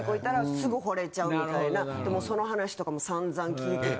その話とかもさんざん聞いてて。